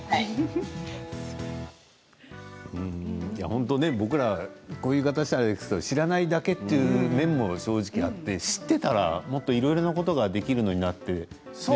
本当に僕らこういう言い方したらあれですけれど知らないだけという面もあって知っていたらもっといろいろなことができるのになって。